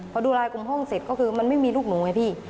พอดูลายกลุ่มห้องเสร็จก็คือมันไม่มีลูกหนูไงพี่